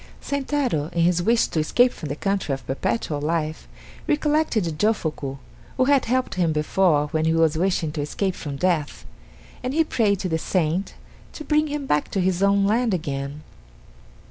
Sentaro, in his wish to escape from the country of Perpetual Life, recollected Jofuku, who had helped him before when he was wishing to escape from death and he prayed to the saint to bring him back to his own land again.